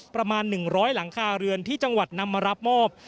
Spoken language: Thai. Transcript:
ประมาณ๑๐๐หลังคาเรือนที่จังหวัดนำมารับมอบ